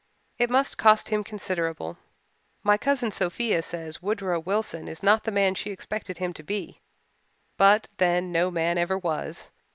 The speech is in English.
It must cost him considerable. My cousin Sophia says Woodrow Wilson is not the man she expected him to be but then no man ever was.